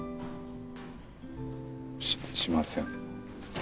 ししません。